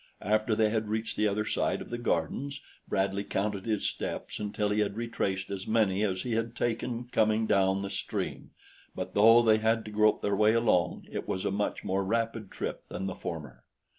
After they had reached the other side of the gardens, Bradley counted his steps until he had retraced as many as he had taken coming down the stream; but though they had to grope their way along, it was a much more rapid trip than the former.